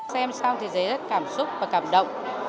xem xong thì rất cảm xúc và cảm động